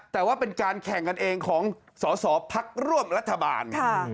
แต่ว่าเป็นการแข่งกันเองของสอสอพักร่วมรัฐบาล